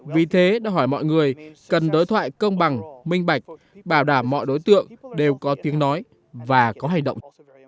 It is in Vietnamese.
vì thế đã hỏi mọi người cần đối thoại công bằng minh bạch bảo đảm mọi đối tượng đều có tiếng nói và có hành động